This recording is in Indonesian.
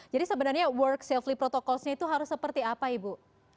jadi sebenarnya work safely protocol itu harus seperti apa ibu